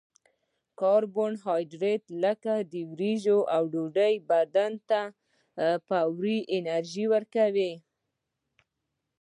کاربوهایدریت لکه وریجې او ډوډۍ بدن ته فوري انرژي ورکوي